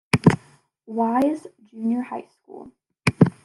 Wise, Junior High School.